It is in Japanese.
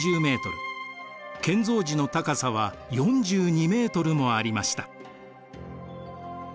建造時の高さは４２メートルもありました。